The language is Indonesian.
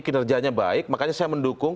kinerjanya baik makanya saya mendukung